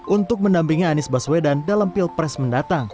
untuk mendampingi anies baswedan dalam pilpres mendatang